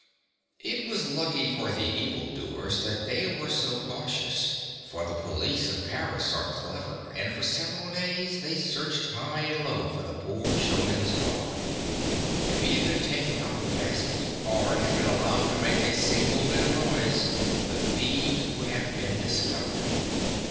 It was lucky for the evil doers that they were so cautious, for the police of Paris are clever, and for several days they searched high and low for the poor showman's dog. If he had been taken out of the basket, or had been al lowed to make a single bit of noise, the thieves would have been discovered.